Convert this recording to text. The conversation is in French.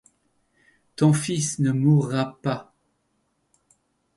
Ton fils ne mourra pas.